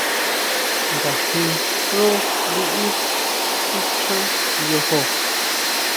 ¿Ngajin xú liʼí tichjan yojó?